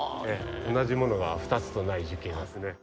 同じものが二つとない樹形ですね。